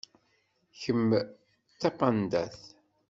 Kemm d tapandat.